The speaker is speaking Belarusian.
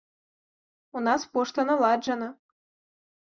У нас пошта наладжана.